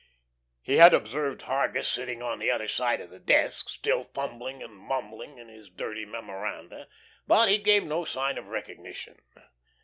He had observed Hargus sitting by the other side of the desk, still fumbling and mumbling in his dirty memoranda, but he gave no sign of recognition.